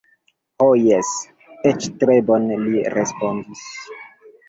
Ho jes, eĉ tre bone, li respondis.